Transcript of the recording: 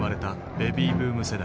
ベビーブーム世代。